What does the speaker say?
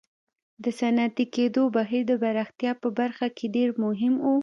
د صنعتي کېدو بهیر د پراختیا په برخه کې ډېر مهم و.